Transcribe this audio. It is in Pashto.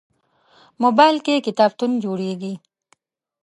موبایل کې کتابتون جوړېږي.